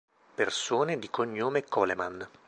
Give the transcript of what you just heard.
Persone di cognome Coleman